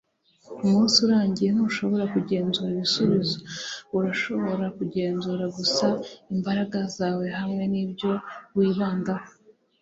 umunsi urangiye, ntushobora kugenzura ibisubizo; urashobora kugenzura gusa imbaraga zawe hamwe nibyo wibandaho